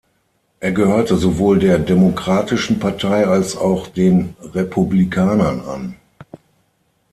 Er gehörte sowohl der Demokratischen Partei als auch den Republikanern an.